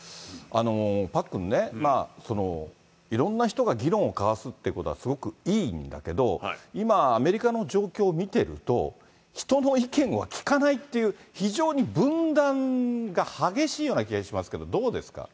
パックンね、いろんな人が議論を交わすっていうことはすごくいいんだけど、今、アメリカの状況を見てると、人の意見は聞かないっていう、非常に分断が激しいような気がしますけれども、どうですか。